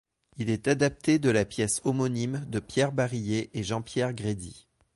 Il est adapté de la pièce homonyme de Pierre Barillet et Jean-Pierre Grédy.